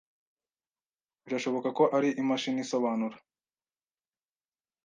Birashoboka ko ari imashini isobanura.